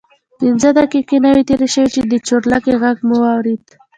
پنځه دقیقې نه وې تېرې شوې چې د چورلکې غږ مو واورېد.